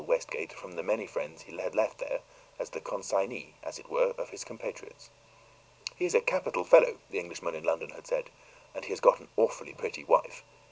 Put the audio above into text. Westgate from the many friends he had left there as the consignee, as it were, of his compatriots. "He is a capital fellow," the Englishman in London had said, "and he has got an awfully pretty wife.